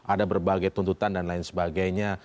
ada berbagai tuntutan dan lain sebagainya